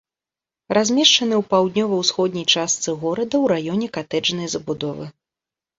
Размешчаны ў паўднёва-ўсходняй частцы горада ў раёне катэджнай забудовы.